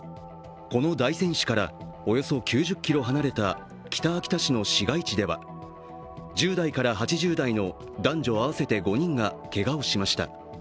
この大仙市からおよそ９０ｋｍ離れた北秋田市の市街地では１０代から８０代の男女合わせて５人がけがをしました。